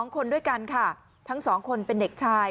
๒คนด้วยกันค่ะทั้ง๒คนเป็นเด็กชาย